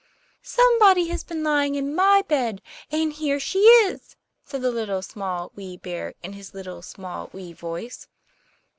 'Somebody has been lying in my bed, and here she is!' said the Little, Small, Wee Bear, in his little, small, wee voice.